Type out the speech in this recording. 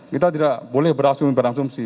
kita tidak boleh berasumsi berasumsi